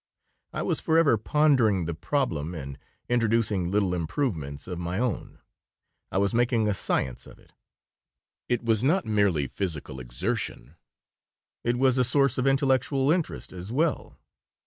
I was forever pondering the problem and introducing little improvements of my own. I was making a science of it. It was not merely physical exertion. It was a source of intellectual interest as well.